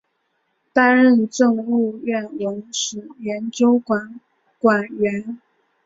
担任政务院文史研究馆馆员。